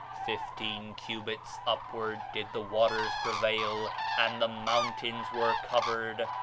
Fifteen cubits upward did the waters prevail; and the mountains were covered.